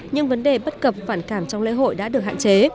nhưng vấn đề bất cập phản cảm trong lễ hội đã được hạn chế